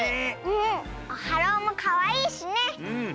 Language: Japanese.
うんオハローもかわいいしね！